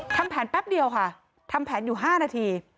ทำแผนแป๊บเดียวค่ะทำแผนอยู่๕นาที